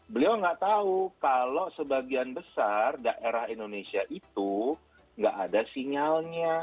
beliau nggak tahu kalau sebagian besar daerah indonesia itu nggak ada sinyalnya